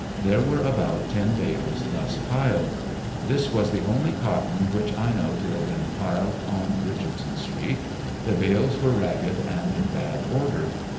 There were about ten bales thus piled. This was the only cotton which I know to have been piled on Eichardson street. The bales were ragged and in bad order.